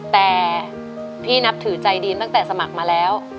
แต่พี่นับถือใจดีนตั้งแต่สมัครมาแล้ว